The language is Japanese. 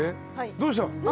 どうした？